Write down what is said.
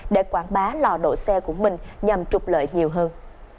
để quảng bá lò đổi xe của mình nhằm trục lợi nhiều hơn